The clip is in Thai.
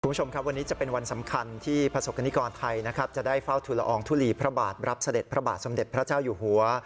คุณผู้ชมครับวันนี้จะเป็นวันสำคัญที่ประสบกรณิกรไทยนะครับจะได้เฝ้าทุลอองทุลีพระบาทรับเสด็จพระบาทสมเด็จพระเจ้าอยู่หัว